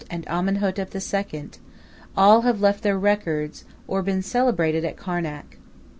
and Amenhotep II. all have left their records or been celebrated at Karnak.